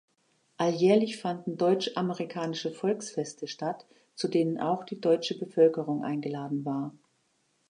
Alljährlich fanden Deutsch-Amerikanische Volksfeste statt, zu denen auch die deutsche Bevölkerung eingeladen war.